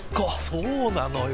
そうなのよ。